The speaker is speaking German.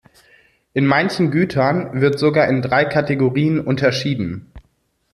In manchen Gütern wird sogar in drei Kategorien unterschieden.